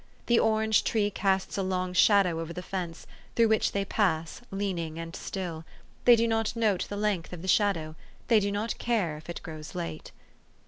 The orange tree casts a long shadow over the fence, through which they pass, leaning and still. They do not note the length of the shadow. They do not care if it grows late.